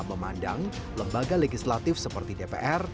memandang lembaga legislatif seperti dpr